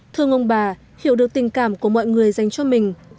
thưa ông bà hiểu được tình cảm của mọi người dành cho mình